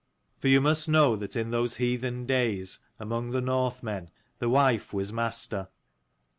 For you must know that in those heathen days, among the Northmen, the wife was master.